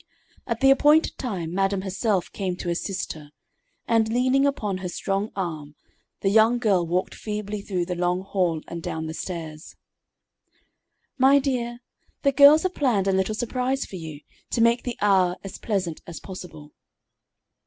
At the appointed time, madam herself came to assist her, and leaning upon her strong arm, the young girl walked feebly through the long hall and down the stairs. "My dear, the girls have planned a little surprise for you, to make the hour as pleasant as possible."